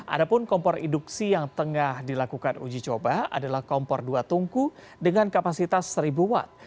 ada pun kompor induksi yang tengah dilakukan uji coba adalah kompor dua tungku dengan kapasitas seribu watt